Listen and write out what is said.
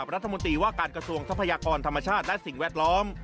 รัฐมนตรีว่าการกระทรวงทรัพยากรธรรมชาติและสิ่งแวดล้อม